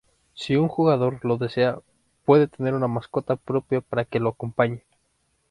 Si un jugador lo desea, puede tener una mascota propia para que lo acompañe.